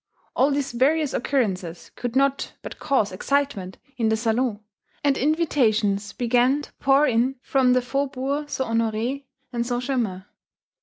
All these various occurrences could not but cause excitement in the salons, and invitations began to pour in from the Faubourgs St. Honoré and St. Germain.